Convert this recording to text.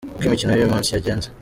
Uko imikino y’uyu munsi yagenze :.